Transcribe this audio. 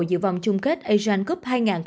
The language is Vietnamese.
dự vòng chung kết asian cup hai nghìn hai mươi hai